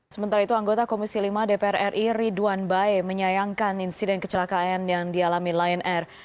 sementara itu anggota komisi lima dpr ri ridwan bae menyayangkan insiden kecelakaan yang dialami lion air